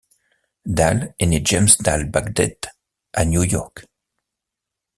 Dale est né James Dale Badgett à New York.